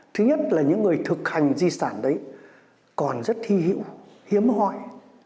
thứ nhất là những người thực hành di sản đấy còn rất thi hiệu hiếm hoại